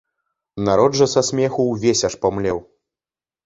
Народ жа са смеху увесь аж памлеў.